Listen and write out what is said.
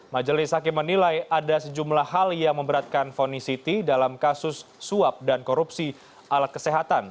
majelis hakim menilai ada sejumlah hal yang memberatkan fonis siti dalam kasus suap dan korupsi alat kesehatan